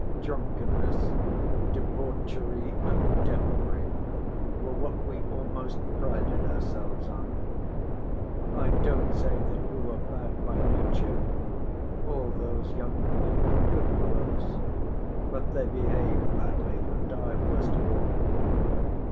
Drunkenness, debauchery and devilry were what we almost prided ourselves on. I don't say that we were bad by nature, all these young men were good fellows, but they behaved badly, and I worst of all.